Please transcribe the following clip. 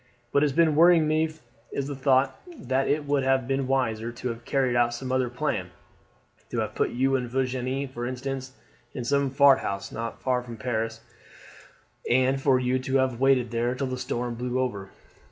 What has been worrying me most is the thought that it would have been wiser to have carried out some other plan to have put you and Virginie, for instance, in some farmhouse not far from Paris, and for you to have waited there till the storm blew over."